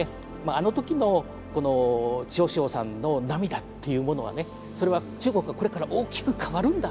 あの時の趙紫陽さんの涙っていうものはねそれは中国がこれから大きく変わるんだということをね